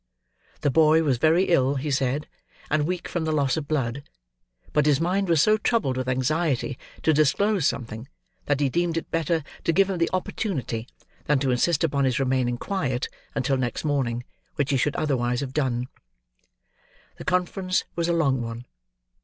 The boy was very ill, he said, and weak from the loss of blood; but his mind was so troubled with anxiety to disclose something, that he deemed it better to give him the opportunity, than to insist upon his remaining quiet until next morning: which he should otherwise have done. The conference was a long one.